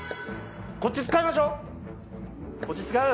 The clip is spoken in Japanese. こっち使いましょこっち使う？